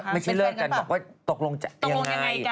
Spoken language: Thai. ไม่ใช่เลือกกันบอกว่าตกลงยังไง